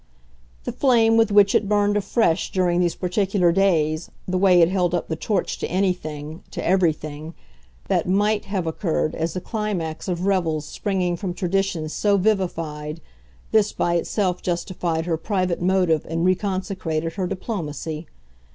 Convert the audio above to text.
The flame with which it burned afresh during these particular days, the way it held up the torch to anything, to everything, that MIGHT have occurred as the climax of revels springing from traditions so vivified this by itself justified her private motive and reconsecrated her diplomacy.